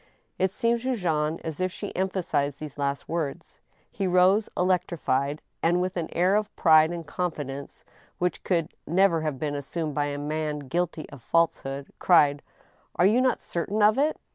It seemed. to Jean as if she emphasized these last words. He rose electrified, and, with an air of pride and confidence, which could never have been assumed by a man guilty of a false hood, cried :Are you not certain of it